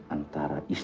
antara istri dan pak pur